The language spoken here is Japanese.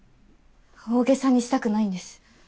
大げさにしたくないんです。